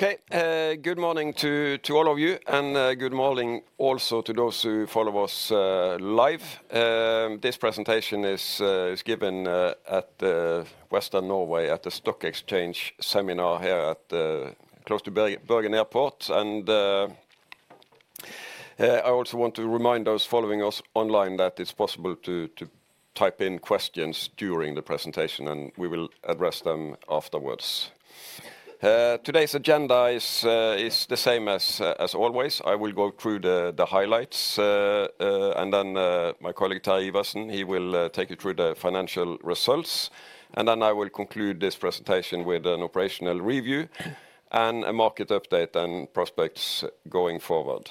Okay, good morning to all of you, and good morning also to those who follow us live. This presentation is given at the Western Norway Stock Exchange seminar here close to Bergen Airport. I also want to remind those following us online that it's possible to type in questions during the presentation, and we will address them afterwards. Today's agenda is the same as always. I will go through the highlights, and then my colleague Terje Iversen, he will take you through the financial results. I will conclude this presentation with an operational review and a market update and prospects going forward.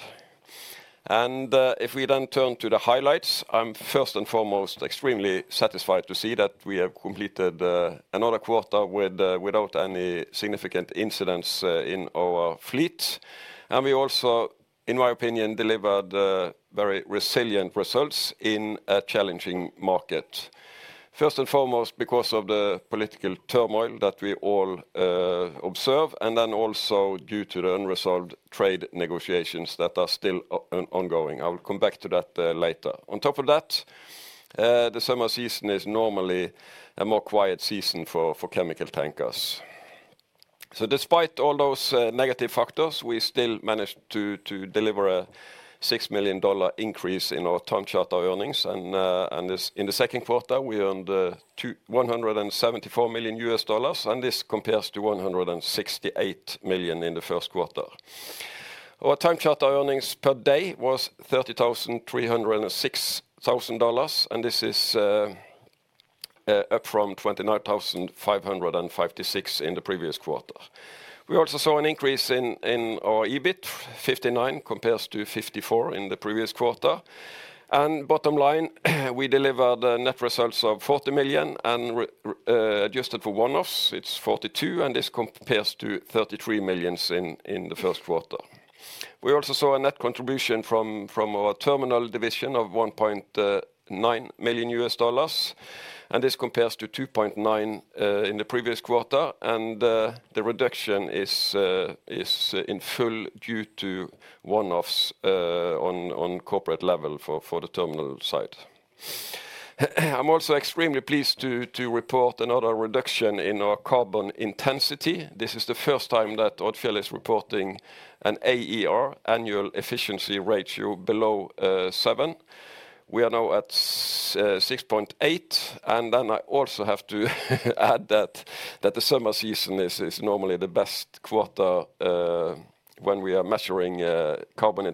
If we then turn to the highlights, I'm first and foremost extremely satisfied to see that we have completed another quarter without any significant incidents in our fleet. We also, in my opinion, delivered very resilient results in a challenging market, first and foremost because of the political turmoil that we all observe, and also due to the unresolved trade negotiations that are still ongoing. I will come back to that later. On top of that, the summer season is normally a more quiet season for chemical tankers. Despite all those negative factors, we still managed to deliver a $6 million increase in our tank charter earnings. In the second quarter, we earned $174 million, and this compares to $168 million in the first quarter. Our tank charter earnings per day was $30,306, and this is up from $29,556 in the previous quarter. We also saw an increase in our EBIT, $59 million, compared to $54 million in the previous quarter. Bottom line, we delivered net results of $40 million, and adjusted for one-offs, it's $42 million, and this compares to $33 million in the first quarter. We also saw a net contribution from our terminal division of $1.9 million, and this compares to $2.9 million in the previous quarter. The reduction is in full due to one-offs on corporate level for the terminal side. I'm also extremely pleased to report another reduction in our carbon intensity. This is the first time that Odfjell is reporting an AER (annual efficiency ratio) below 7. We are now at 6.8. I also have to add that the summer season is normally the best quarter when we are measuring carbon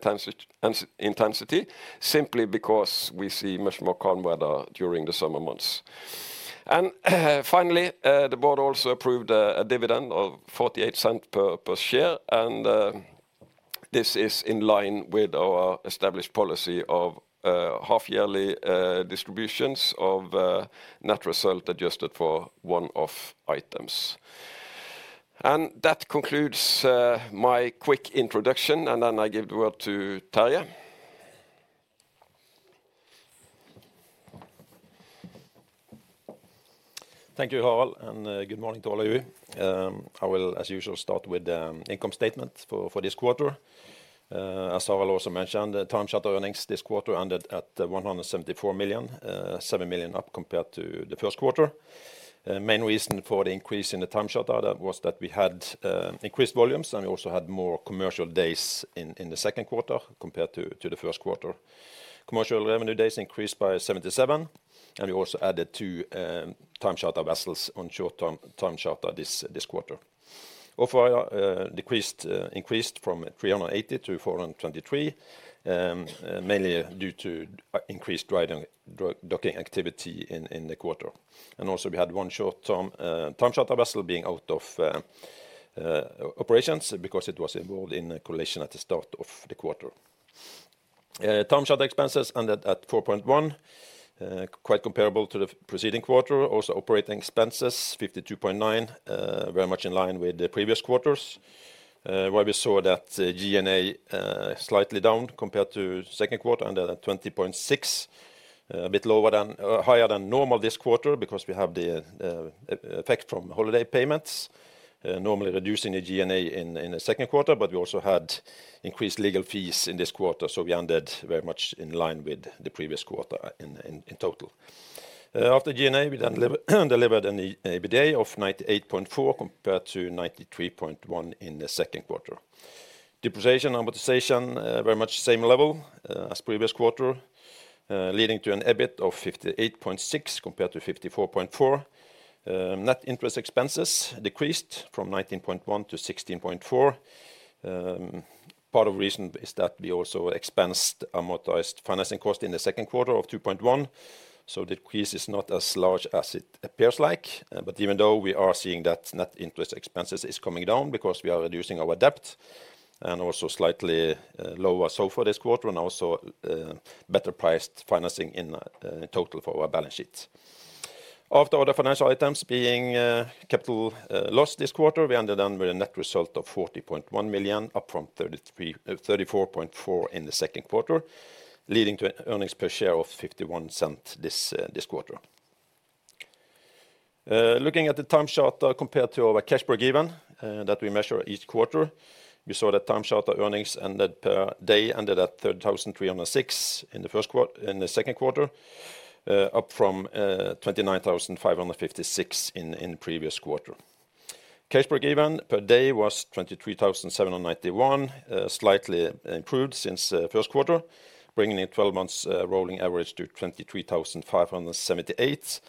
intensity, simply because we see much more calm weather during the summer months. Finally, the board also approved a dividend of $0.48 per share, and this is in line with our established policy of half-yearly distributions of net result adjusted for one-off items. That concludes my quick introduction, and I give the word to Terje. Thank you, Harald, and good morning to all of you. I will, as usual, start with the income statement for this quarter. As Harald also mentioned, the tank charter earnings this quarter ended at $174 million, $7 million up compared to the first quarter. The main reason for the increase in the tank charter was that we had increased volumes, and we also had more commercial days in the second quarter compared to the first quarter. Commercial revenue days increased by 77, and we also added two tank charter vessels on short-term tank charter this quarter. [OpEx] increased from $380 million to $423 million, mainly due to increased docking activity in the quarter. We also had one short-term tank charter vessel being out of operations because it was involved in a collision at the start of the quarter. Tank charter expenses ended at $4.1 million, quite comparable to the preceding quarter. Also, operating expenses $52.9 million, very much in line with the previous quarters. We saw that G&A slightly down compared to the second quarter, ended at $20.6 million, a bit lower than normal this quarter because we have the effect from holiday payments, normally reducing the G&A in the second quarter, but we also had increased legal fees in this quarter. We ended very much in line with the previous quarter in total. After G&A, we then delivered an EBITDA of $98.4 million compared to $93.1 million in the second quarter. Depreciation and amortization very much the same level as the previous quarter, leading to an EBIT of $58.6 million compared to $54.4 million. Net interest expenses decreased from $19.1 million to $16.4 million. Part of the reason is that we also expensed amortized financing cost in the second quarter of $2.1 million. The decrease is not as large as it appears, but even though we are seeing that net interest expenses are coming down because we are reducing our debt, and also slightly lower SOFR this quarter, and also better priced financing in total for our balance sheet. After all the financial items being capital loss this quarter, we ended with a net result of $40.1 million, up from $34.4 million in the second quarter, leading to earnings per share of $0.51 this quarter. Looking at the tank charter compared to our cash per given that we measure each quarter, we saw that tank charter earnings ended per day at $33,306 in the second quarter, up from $29,556 in the previous quarter. Cash per given per day was $23,791, slightly improved since the first quarter, bringing the 12 months rolling average to $23,578,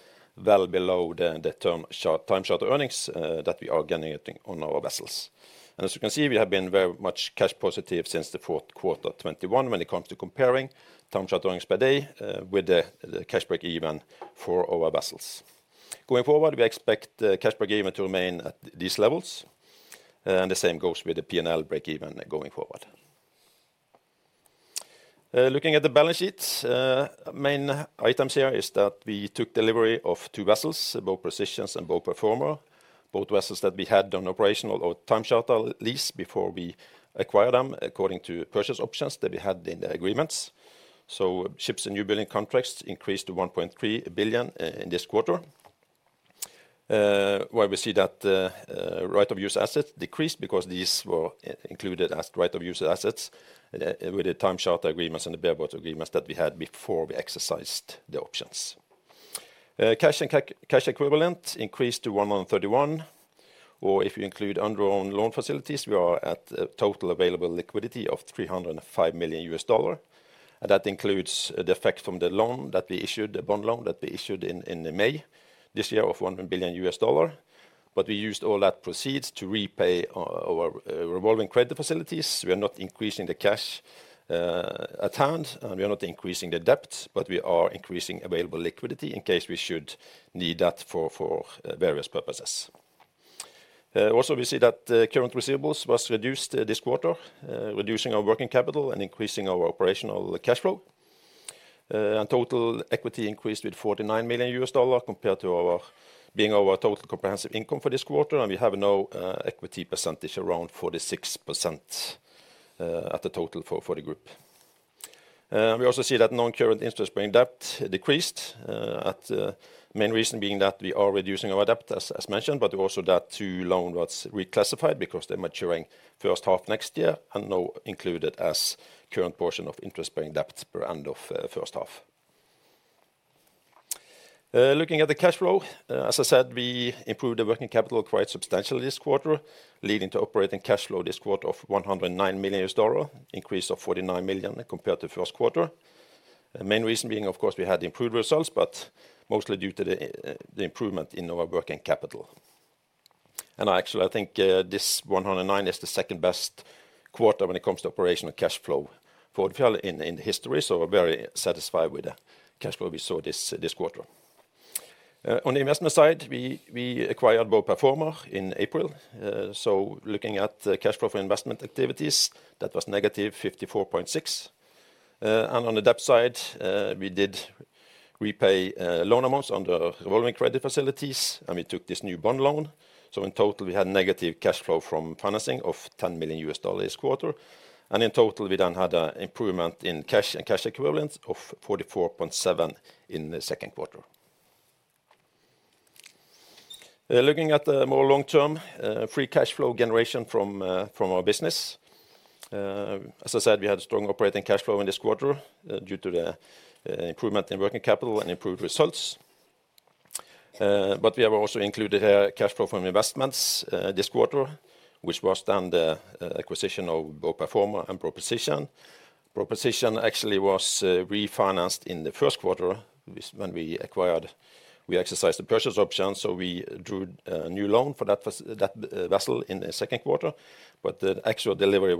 well below the term tank charter earnings that we are generating on our vessels. As you can see, we have been very much cash positive since the fourth quarter 2021 when it comes to comparing tank charter earnings per day with the cash per given for our vessels. Going forward, we expect the cash per given to remain at these levels, and the same goes with the P&L breakeven going forward. Looking at the balance sheets, the main items here are that we took delivery of two vessels, Bow Precision and Bow Performer, both vessels that we had on operational or tank charter lease before we acquired them according to purchase options that we had in the agreements. Ships and new building contracts increased to $1.3 billion in this quarter. We see that the right of use assets decreased because these were included as right of use assets with the tank charter agreements and the bare boat agreements that we had before we exercised the options. Cash and cash equivalent increased to $131 million, or if you include underwritten loan facilities, we are at a total available liquidity of $305 million. That includes the effect from the loan that we issued, the bond loan that we issued in May this year of $1 billion. We used all that proceeds to repay our revolving credit facilities. We are not increasing the cash at hand, and we are not increasing the debt, but we are increasing available liquidity in case we should need that for various purposes. We see that current receivables were reduced this quarter, reducing our working capital and increasing our operational cash flow. Total equity increased with $49 million compared to our being our total comprehensive income for this quarter, and we have now equity percentage around 46% at the total for the group. We also see that non-current interest-bearing debt decreased, the main reason being that we are reducing our debt, as mentioned, but also that two loans were reclassified because they're maturing first half next year and now included as current portion of interest-bearing debts per end of the first half. Looking at the cash flow, as I said, we improved the working capital quite substantially this quarter, leading to operating cash flow this quarter of $109 million, increase of $49 million compared to the first quarter. The main reason being, of course, we had improved results, but mostly due to the improvement in our working capital. Actually, I think this $109 million is the second best quarter when it comes to operational cash flow for Odfjell in history, so we're very satisfied with the cash flow we saw this quarter. On the investment side, we acquired Bow Performer in April. Looking at the cash flow for investment activities, that was -$54.6 million. On the debt side, we did repay loan amounts under revolving credit facilities, and we took this new bond loan. In total, we had negative cash flow from financing of $10 million this quarter. In total, we then had an improvement in cash and cash equivalents of $44.7 million in the second quarter. Looking at the more long-term free cash flow generation from our business, as I said, we had a strong operating cash flow in this quarter due to the improvement in working capital and improved results. We have also included here cash flow from investments this quarter, which was done by acquisition of Bow Performer proposition. Bow Precision actually was refinanced in the first quarter when we exercised the purchase option, so we drew a new loan for that vessel in the second quarter. The actual delivery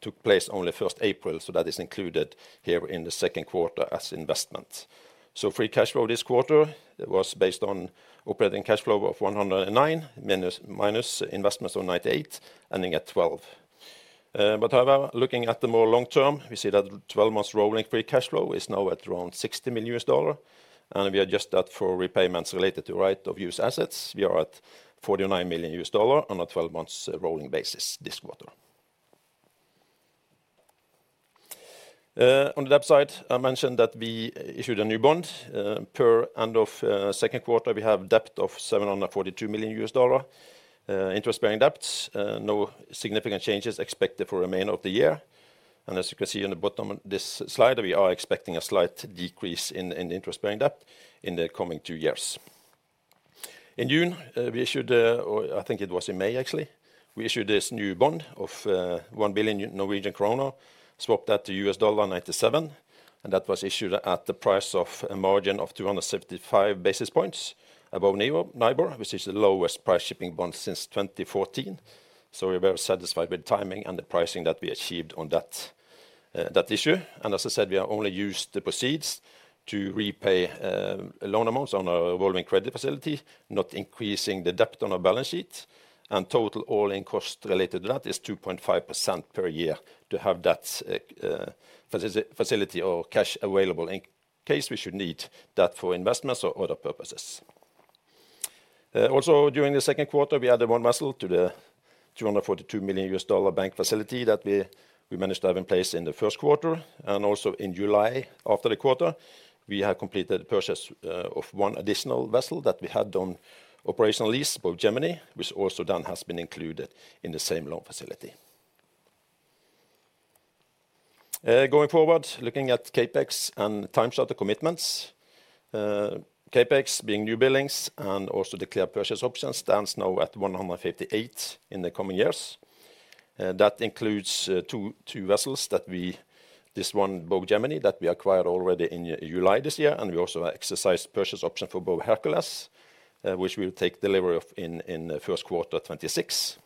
took place only 1st of April, so that is included here in the second quarter as investments. Free cash flow this quarter was based on operating cash flow of $109 million minus investments of $98 million, ending at $12 million. However, looking at the more long term, we see that 12 months rolling free cash flow is now at around $60 million, and we adjust that for repayments related to right of use assets. We are at $49 million on a 12 months rolling basis this quarter. On the debt side, I mentioned that we issued a new bond. Per end of the second quarter, we have a debt of $742 million. Interest-bearing debt, no significant changes expected for the remainder of the year. As you can see on the bottom of this slide, we are expecting a slight decrease in interest-bearing debt in the coming two years. In June, or I think it was in May actually, we issued this new bond of 1 billion Norwegian kroner, swapped that to $97 million, and that was issued at the price of a margin of 275 basis points above NIBOR, which is the lowest price shipping bond since 2014. We're very satisfied with the timing and the pricing that we achieved on that issue. As I said, we have only used the proceeds to repay loan amounts on our revolving credit facility, not increasing the debt on our balance sheet. The total all-in cost related to that is 2.5% per year to have that facility or cash available in case we should need that for investments or other purposes. During the second quarter, we added one vessel to the $242 million bank facility that we managed to have in place in the first quarter. Also, in July after the quarter, we completed the purchase of one additional vessel that we had on operational lease, both Gemini, which also then has been included in the same loan facility. Going forward, looking at CapEx and tank charter commitments, CapEx being new buildings and also declared purchase options stands now at $158 million in the coming years. That includes two vessels, this one Bow Gemini that we acquired already in July this year, and we also exercised purchase option for Bow Hercules, which we will take delivery of in the first quarter 2026.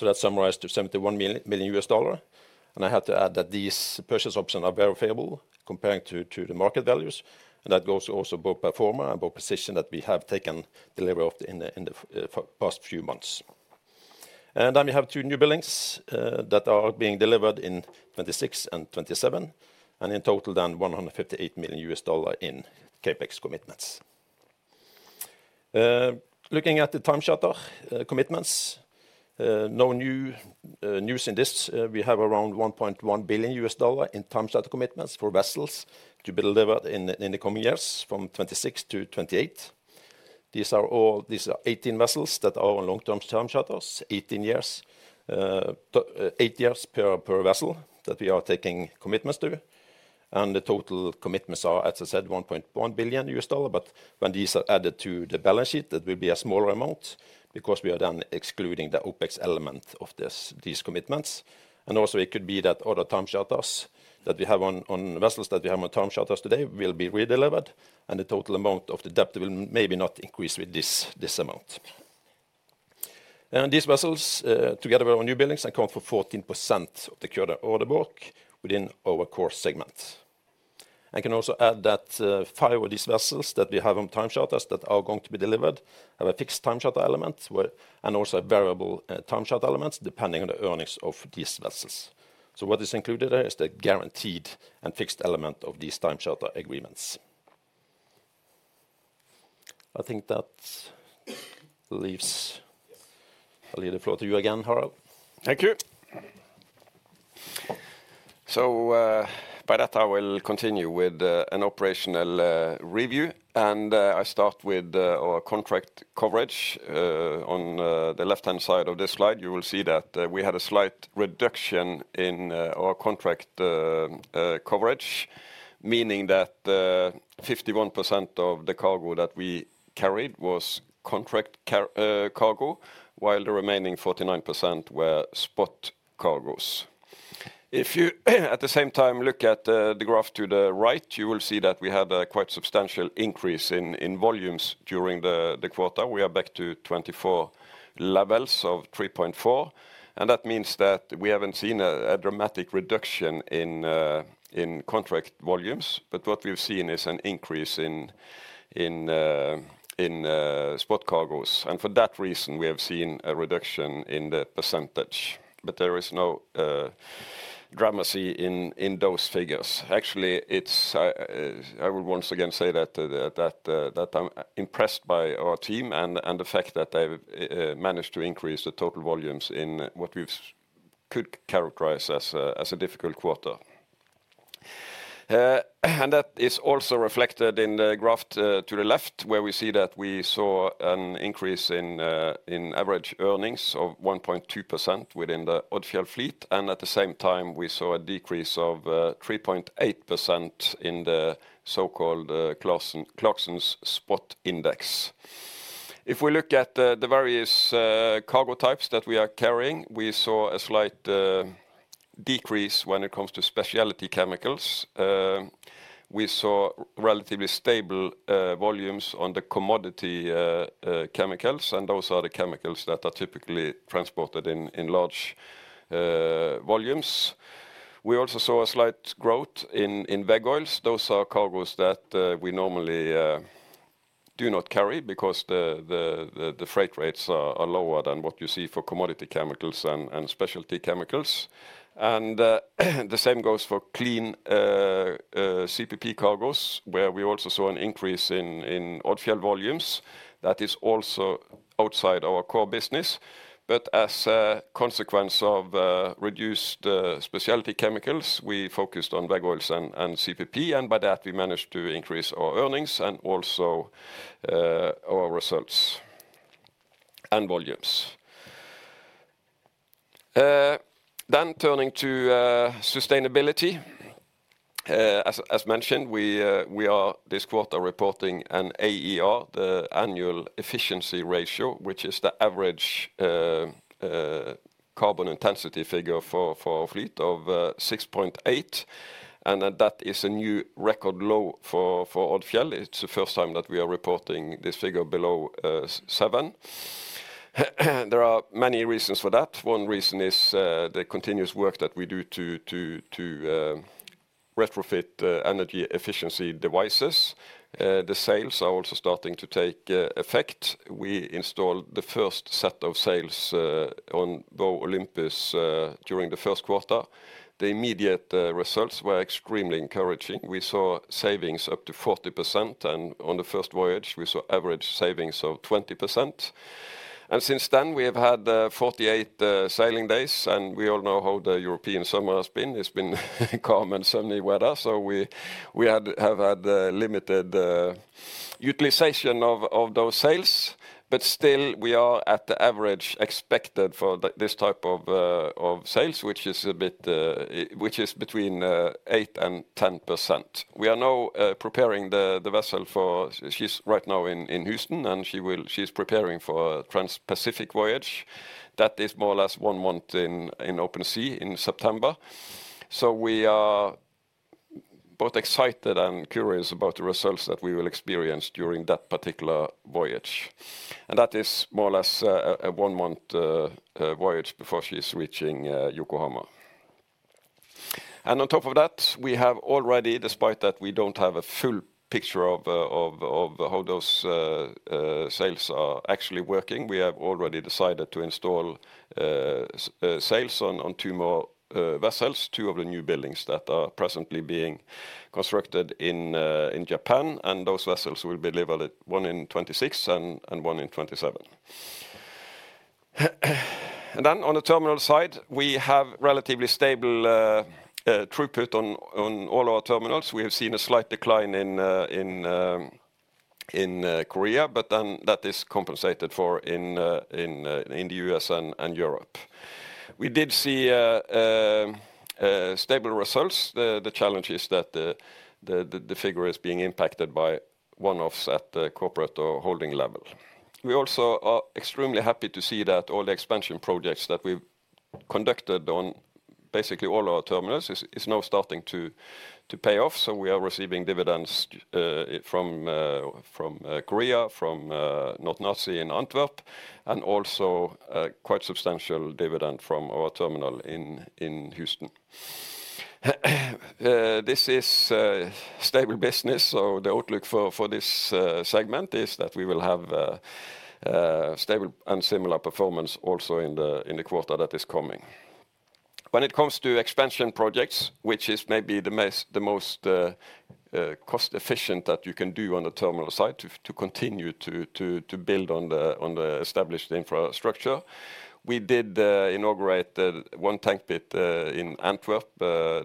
That summarizes to $71 million. I have to add that these purchase options are very favorable comparing to the market values. That goes to also Bow Performer and Bow Precision that we have taken delivery of in the past few months. We have two new buildings that are being delivered in 2026 and 2027. In total, $158 million in CapEx commitments. Looking at the tank charter commitments, no new news in this. We have around $1.1 billion in tank charter commitments for vessels to be delivered in the coming years from 2026 to 2028. These are 18 vessels that are on long-term tank charters, eight years per vessel that we are taking commitments to. The total commitments are, as I said, $1.1 billion. When these are added to the balance sheet, that will be a smaller amount because we are then excluding the OpEx element of these commitments. It could be that other tank charters that we have on vessels that we have on tank charters today will be redelivered. The total amount of the debt will maybe not increase with this amount. These vessels together with our new buildings account for 14% of the current order book within our core segment. I can also add that five of these vessels that we have on tank charters that are going to be delivered have a fixed tank charter element and also a variable tank charter element depending on the earnings of these vessels. What is included there is the guaranteed and fixed element of these tank charter agreements. I think that leaves the floor to you again, Harald. Thank you. By that, I will continue with an operational review. I start with our contract coverage. On the left-hand side of this slide, you will see that we had a slight reduction in our contract coverage, meaning that 51% of the cargo that we carried was contract cargo, while the remaining 49% were spot cargoes. If you, at the same time, look at the graph to the right, you will see that we have a quite substantial increase in volumes during the quarter. We are back to 2024 levels of 3.4. That means that we haven't seen a dramatic reduction in contract volumes, but what we've seen is an increase in spot cargoes. For that reason, we have seen a reduction in the percentage. There is no dramacy in those figures. Actually, I will once again say that I'm impressed by our team and the fact that they've managed to increase the total volumes in what we could characterize as a difficult quarter. That is also reflected in the graph to the left, where we see that we saw an increase in average earnings of 1.2% within the Odfjell fleet. At the same time, we saw a decrease of 3.8% in the so-called Clarksons spot index. If we look at the various cargo types that we are carrying, we saw a slight decrease when it comes to specialty chemicals. We saw relatively stable volumes on the commodity chemicals, and those are the chemicals that are typically transported in large volumes. We also saw a slight growth in veg oils. Those are cargoes that we normally do not carry because the freight rates are lower than what you see for commodity chemicals and specialty chemicals. The same goes for clean CPP cargoes, where we also saw an increase in Odfjell volumes. That is also outside our core business. As a consequence of reduced specialty chemicals, we focused on veg oils and CPP. By that, we managed to increase our earnings and also our results and volumes. Turning to sustainability, as mentioned, we are this quarter reporting an AER, the annual efficiency ratio, which is the average carbon intensity figure for our fleet of 6.8. That is a new record low for Odfjell. It's the first time that we are reporting this figure below seven. There are many reasons for that. One reason is the continuous work that we do to retrofit energy efficiency devices. The sails are also starting to take effect. We installed the first set of sails on Bow Olympus during the first quarter. The immediate results were extremely encouraging. We saw savings up to 40%. On the first voyage, we saw average savings of 20%. Since then, we have had 48 sailing days. We all know how the European summer has been; it's been calm and sunny weather, so we have had limited utilization of those sails. Still, we are at the average expected for this type of sails, which is between 8% and 10%. We are now preparing the vessel, she's right now in Houston, and she's preparing for a transpacific voyage. That is more or less one month in open sea in September. We are both excited and curious about the results that we will experience during that particular voyage. That is more or less a one-month voyage before she's reaching Yokohama. On top of that, we have already, despite that we don't have a full picture of how those sails are actually working, decided to install sails on two more vessels, two of the new buildings that are presently being constructed in Japan. Those vessels will be delivered, one in 2026 and one in 2027. On the terminal side, we have relatively stable throughput on all our terminals. We have seen a slight decline in Korea, but that is compensated for in the U.S. and Europe. We did see stable results. The challenge is that the figure is being impacted by one-offs at the corporate or holding level. We are extremely happy to see that all the expansion projects that we've conducted on basically all our terminals are now starting to pay off. We are receiving dividends from Korea, from North Nazi in Antwerp, and also quite substantial dividends from our terminal in Houston. This is a stable business. The outlook for this segment is that we will have stable and similar performance also in the quarter that is coming. When it comes to expansion projects, which is maybe the most cost-efficient that you can do on the terminal side to continue to build on the established infrastructure, we did inaugurate one tank pit in Antwerp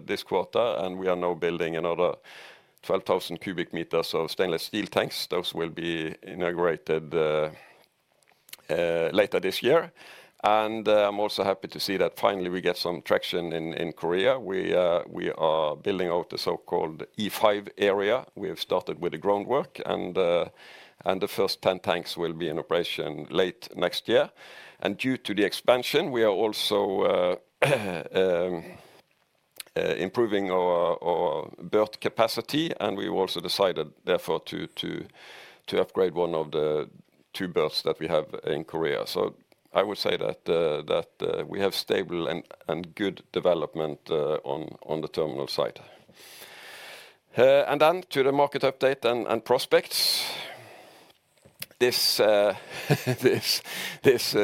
this quarter. We are now building another 12,000 cu m of stainless steel tanks. Those will be inaugurated later this year. I'm also happy to see that finally we get some traction in Korea. We are building out the so-called E5 area. We have started with the groundwork, and the first 10 tanks will be in operation late next year. Due to the expansion, we are also improving our berth capacity, and we've also decided, therefore, to upgrade one of the two berths that we have in Korea. I would say that we have stable and good development on the terminal side. Then to the market update and prospects, this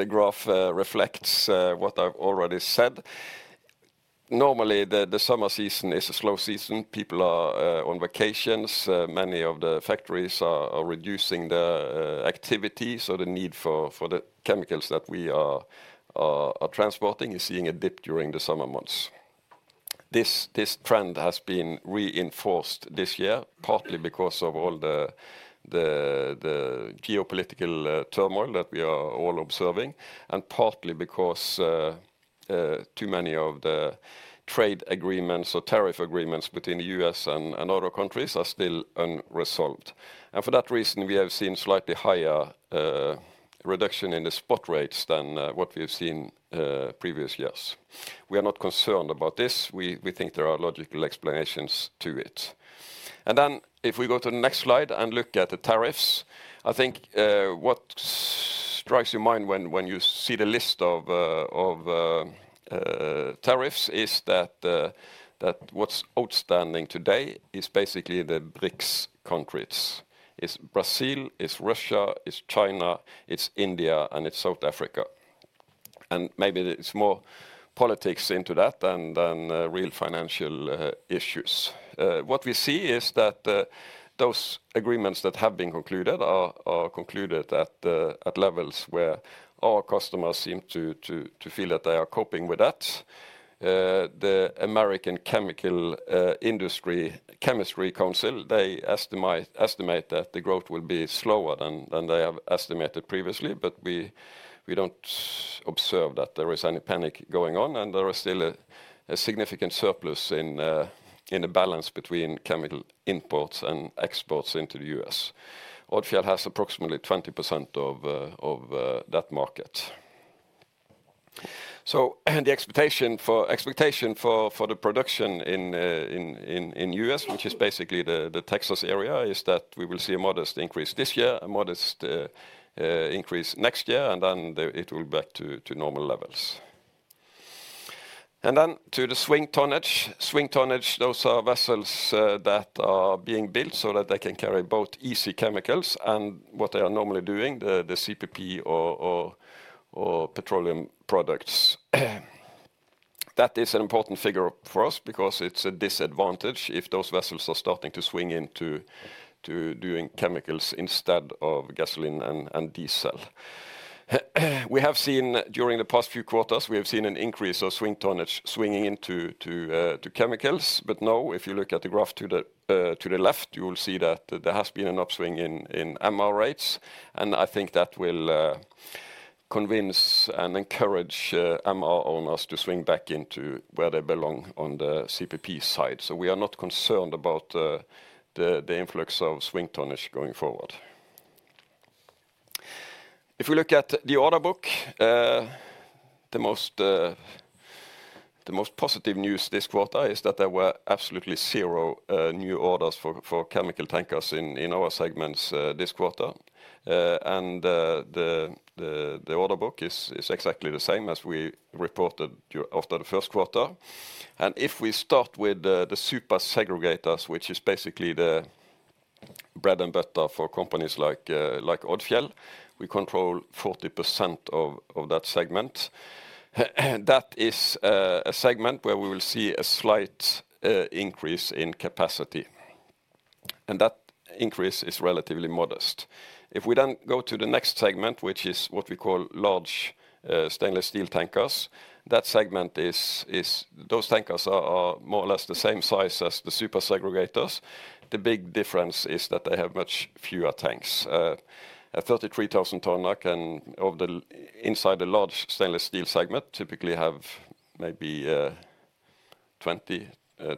graph reflects what I've already said. Normally, the summer season is a slow season. People are on vacations. Many of the factories are reducing their activity. The need for the chemicals that we are transporting is seeing a dip during the summer months. This trend has been reinforced this year, partly because of all the geopolitical turmoil that we are all observing, and partly because too many of the trade agreements or tariff agreements between the U.S. and other countries are still unresolved. For that reason, we have seen slightly higher reduction in the spot rates than what we've seen previous years. We are not concerned about this. We think there are logical explanations to it. If we go to the next slide and look at the tariffs, I think what strikes your mind when you see the list of tariffs is that what's outstanding today is basically the BRICS countries. It's Brazil, it's Russia, it's China, it's India, and it's South Africa. Maybe it's more politics into that than real financial issues. What we see is that those agreements that have been concluded are concluded at levels where our customers seem to feel that they are coping with that. The American Chemistry Council estimates that the growth will be slower than they have estimated previously, but we don't observe that there is any panic going on. There is still a significant surplus in the balance between chemical imports and exports into the U.S. Odfjell has approximately 20% of that market. The expectation for the production in the U.S., which is basically the Texas area, is that we will see a modest increase this year, a modest increase next year, and then it will be back to normal levels. Then to the swing tonnage, those are vessels that are being built so that they can carry both easy chemicals and what they are normally doing, the CPP or petroleum products. That is an important figure for us because it's a disadvantage if those vessels are starting to swing into doing chemicals instead of gasoline and diesel. We have seen during the past few quarters, we have seen an increase of swing tonnage swinging into chemicals. Now, if you look at the graph to the left, you will see that there has been an upswing in MR rates. I think that will convince and encourage MR owners to swing back into where they belong on the CPP side. We are not concerned about the influx of swing tonnage going forward. If we look at the order book, the most positive news this quarter is that there were absolutely zero new orders for chemical tankers in our segments this quarter. The order book is exactly the same as we reported after the first quarter. If we start with the super segregators, which is basically the bread and butter for companies like Odfjell, we control 40% of that segment. That is a segment where we will see a slight increase in capacity, and that increase is relatively modest. If we then go to the next segment, which is what we call large stainless steel tankers, those tankers are more or less the same size as the super segregators. The big difference is that they have much fewer tanks. A 33,000 tonne neck inside a large stainless steel segment typically has maybe 20,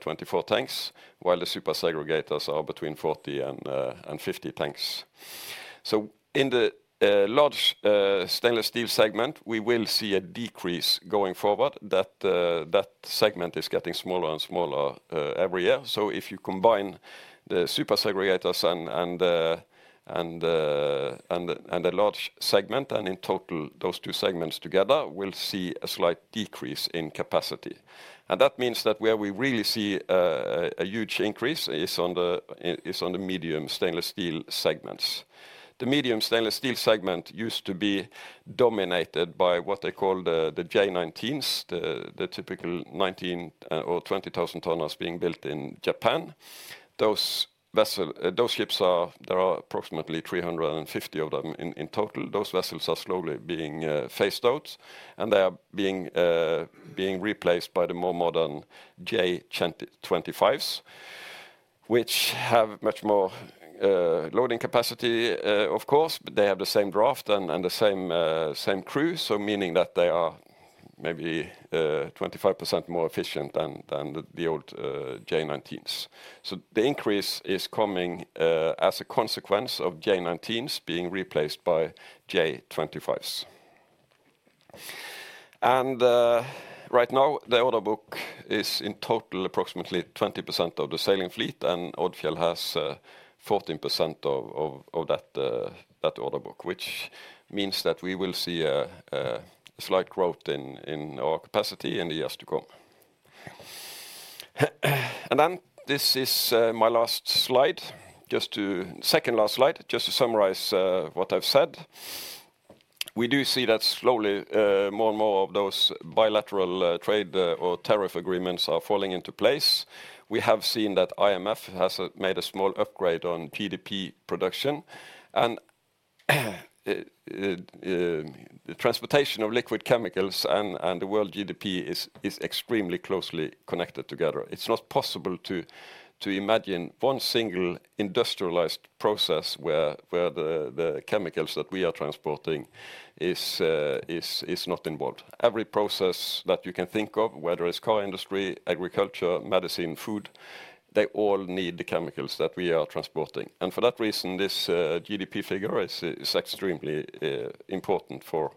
24 tanks, while the super segregators are between 40 and 50 tanks. In the large stainless steel segment, we will see a decrease going forward. That segment is getting smaller and smaller every year. If you combine the super segregators and the large segment, in total, those two segments together will see a slight decrease in capacity. That means that where we really see a huge increase is on the medium stainless steel segments. The medium stainless steel segment used to be dominated by what they call the J19s, the typical 19,000 or 20,000 tonners being built in Japan. Those ships, there are approximately 350 of them in total. Those vessels are slowly being phased out, and they are being replaced by the more modern J25, which have much more loading capacity, of course. They have the same draft and the same crew, so meaning that they are maybe 25% more efficient than the old J19s. The increase is coming as a consequence of J19s being replaced by J25. Right now, the order book is in total approximately 20% of the sailing fleet, and Odfjell has 14% of that order book, which means that we will see a slight growth in our capacity in the years to come. This is my last slide, just to second last slide, just to summarize what I've said. We do see that slowly, more and more of those bilateral trade or tariff agreements are falling into place. We have seen that IMF has made a small upgrade on GDP production, and the transportation of liquid chemicals and the world GDP is extremely closely connected together. It's not possible to imagine one single industrialized process where the chemicals that we are transporting are not involved. Every process that you can think of, whether it's car industry, agriculture, medicine, food, they all need the chemicals that we are transporting. For that reason, this GDP figure is extremely important for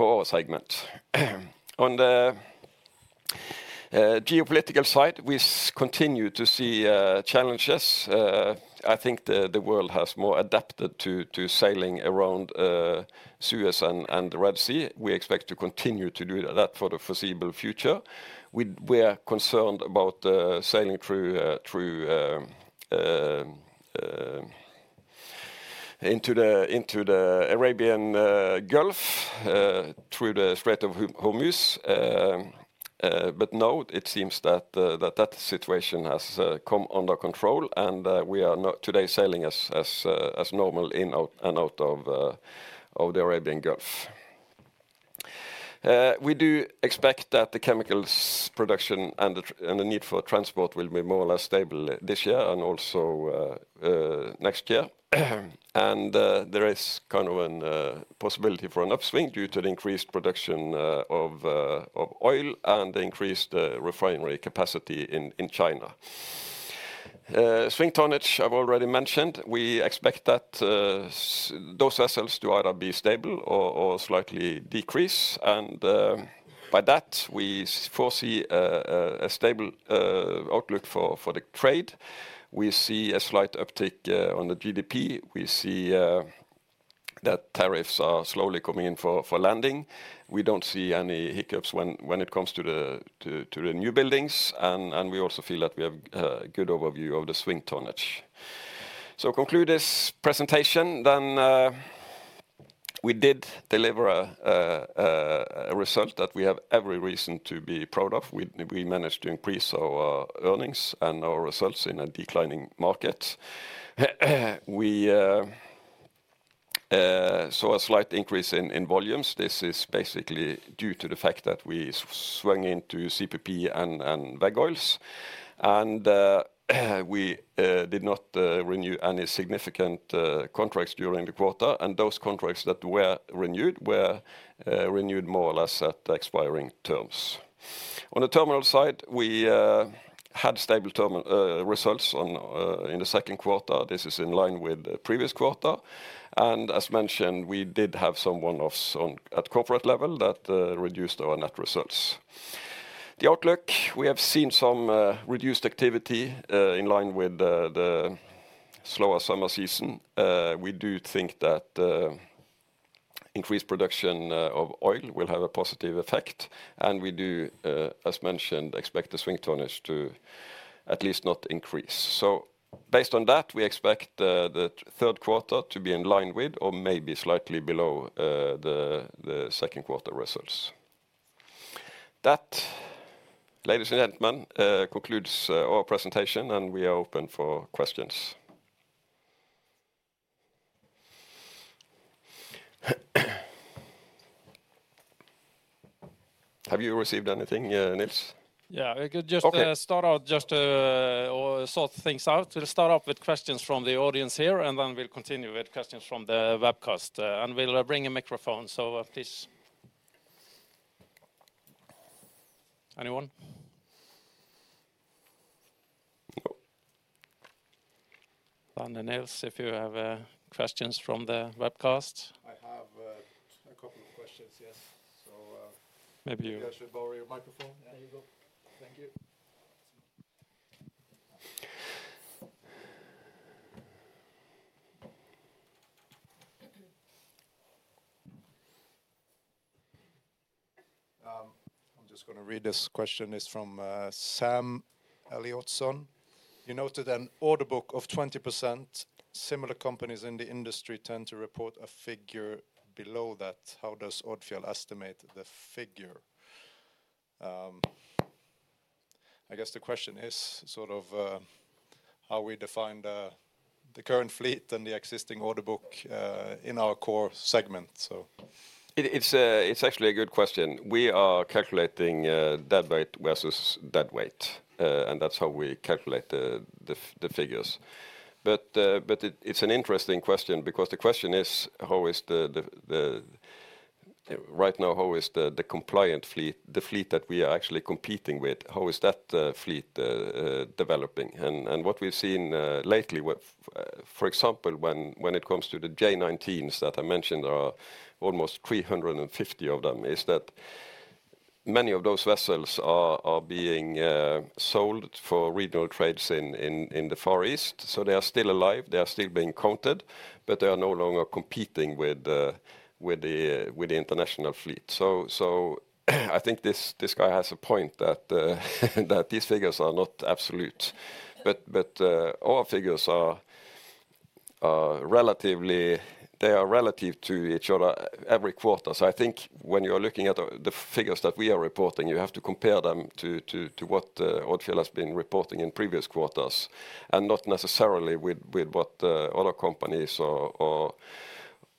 our segment. On the geopolitical side, we continue to see challenges. I think the world has more adapted to sailing around Suez and the Red Sea. We expect to continue to do that for the foreseeable future. We are concerned about sailing through into the Arabian Gulf through the Strait of Hormuz. Now it seems that that situation has come under control, and we are today sailing as normal in and out of the Arabian Gulf. We do expect that the chemicals production and the need for transport will be more or less stable this year and also next year. There is kind of a possibility for an upswing due to the increased production of oil and the increased refinery capacity in China. Swing tonnage, I've already mentioned. We expect that those vessels to either be stable or slightly decrease. By that, we foresee a stable outlook for the trade. We see a slight uptick on the GDP. We see that tariffs are slowly coming in for landing. We don't see any hiccups when it comes to the new buildings. We also feel that we have a good overview of the swing tonnage. To conclude this presentation, then we did deliver a result that we have every reason to be proud of. We managed to increase our earnings and our results in a declining market. We saw a slight increase in volumes. This is basically due to the fact that we swung into CPP and vag oils. We did not renew any significant contracts during the quarter. Those contracts that were renewed were renewed more or less at expiring terms. On the terminal side, we had stable results in the second quarter. This is in line with the previous quarter. As mentioned, we did have some one-offs at corporate level that reduced our net results. The outlook, we have seen some reduced activity in line with the slower summer season. We do think that increased production of oil will have a positive effect. We do, as mentioned, expect the swing tonnage to at least not increase. Based on that, we expect the third quarter to be in line with or maybe slightly below the second quarter results. That, ladies and gentlemen, concludes our presentation, and we are open for questions. Have you received anything, Nils? Yeah, we could just start out to sort things out. We'll start with questions from the audience here, and then we'll continue with questions from the webcast. We'll bring a microphone, so please. Anyone? Nils, if you have questions from the webcast. I have a couple of questions, yes. Maybe you. You guys should borrow your microphone. There you go. Thank you. I'm just going to read this question. It's from [Sam Elliotson]. You noted an order book of 20%. Similar companies in the industry tend to report a figure below that. How does Odfjell estimate the figure? I guess the question is sort of how we define the current fleet and the existing order book in our core segment. It's actually a good question. We are calculating deadweight versus deadweight, and that's how we calculate the figures. It's an interesting question because the question is, right now, how is the compliant fleet, the fleet that we are actually competing with, how is that fleet developing? What we've seen lately, for example, when it comes to the J19s that I mentioned, there are almost 350 of them, is that many of those vessels are being sold for regional trades in the Far East. They are still alive, they are still being counted, but they are no longer competing with the international fleet. I think this guy has a point that these figures are not absolute. Our figures are relative to each other every quarter. I think when you're looking at the figures that we are reporting, you have to compare them to what Odfjell has been reporting in previous quarters, and not necessarily with what other companies or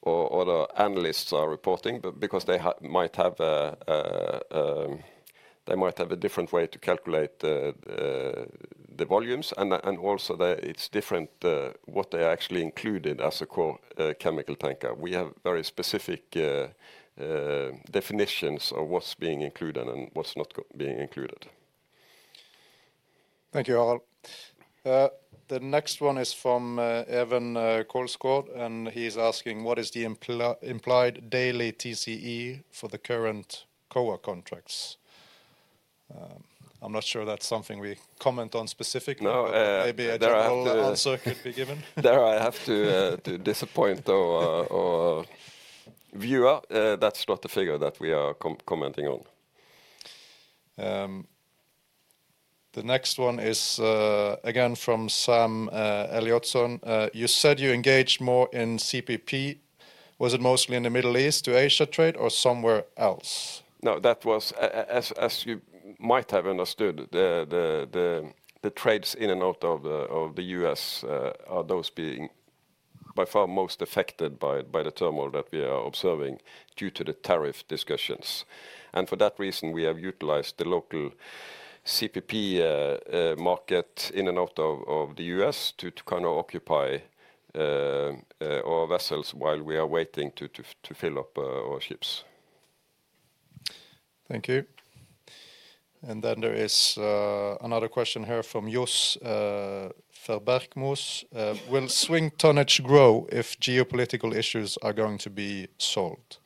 other analysts are reporting, because they might have a different way to calculate the volumes. Also, it's different what they actually include as a core chemical tanker. We have very specific definitions of what's being included and what's not being included. Thank you, Harald. The next one is from [Evan Colescore]. He's asking, what is the implied daily TCE for the current COA contracts? I'm not sure that's something we comment on specifically. Maybe an answer could be given. There, I have to disappoint our viewer. That's not the figure that we are commenting on. The next one is again from [Sam Elliotson]. You said you engaged more in CPP. Was it mostly in the Middle East to Asia trade or somewhere else? No, that was, as you might have understood, the trades in and out of the U.S. are those being by far most affected by the turmoil that we are observing due to the tariff discussions. For that reason, we have utilized the local CPP market in and out of the U.S. to kind of occupy our vessels while we are waiting to fill up our ships. Thank you. There is another question here from [Jusse Verberkmos]. Will swing tonnage grow if geopolitical issues are going to be solved?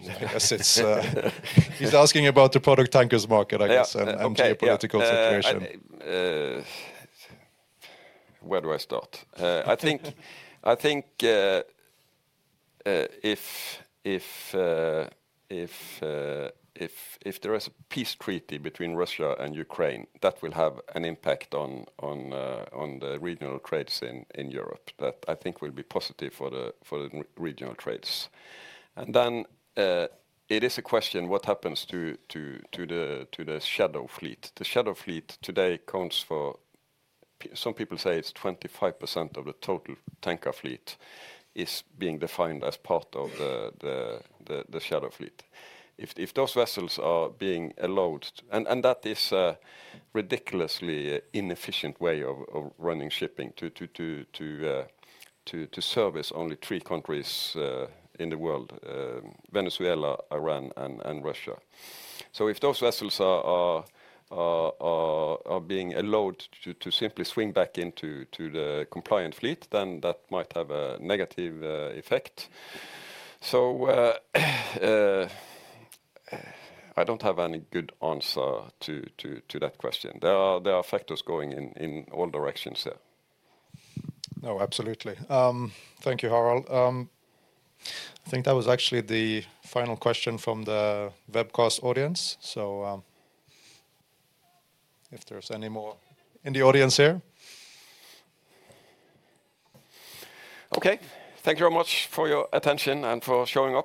He's asking about the product tankers market, I guess, and the geopolitical situation. Where do I start? I think if there is a peace treaty between Russia and Ukraine, that will have an impact on the regional trades in Europe that I think will be positive for the regional trades. It is a question what happens to the shadow fleet. The shadow fleet today counts for some people say it's 25% of the total tanker fleet is being defined as part of the shadow fleet. If those vessels are being allowed, and that is a ridiculously inefficient way of running shipping to service only three countries in the world: Venezuela, Iran, and Russia. If those vessels are being allowed to simply swing back into the compliant fleet, then that might have a negative effect. I don't have any good answer to that question. There are factors going in all directions there. No, absolutely. Thank you, Harald. I think that was actually the final question from the webcast audience. If there's any more in the audience here, thank you very much for your attention and for showing up.